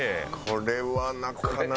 これはなかなか。